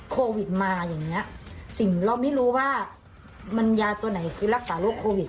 โควิดมาอย่างเงี้ยสิ่งเราไม่รู้ว่ามันยาตัวไหนคือรักษาโรคโควิด